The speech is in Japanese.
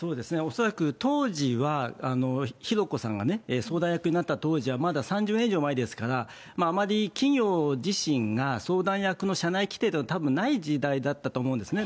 恐らく当時は、浩子さんが相談役になった当時は、まだ３０年以上前ですから、あまり企業自身が相談役の社内規定とかたぶんない時代だったと思うんですね。